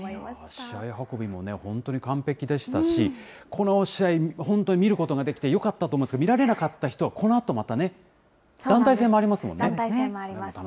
試合運びも本当に完璧でしたし、この試合、本当に見ることができてよかったと思うんですが、見られなかった人はこのあとまた団体戦もあります。